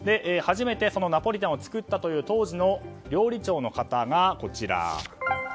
初めてナポリタンを作ったという当時の料理長の方が、こちら。